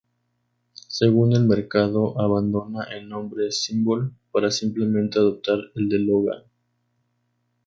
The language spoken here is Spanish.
Según el mercado abandona el nombre ""Symbol"" para simplemente adoptar el de ""Logan"".